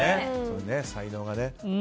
才能がね。